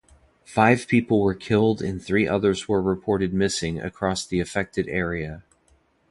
Five people were killed and three others were reported missing across the affected area.